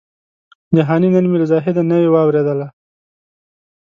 جهاني نن مي له زاهده نوې واورېدله